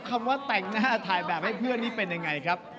คำว่าแต่งหน้าถ่ายแบบให้เพื่อนนี่เป็นยังไงครับ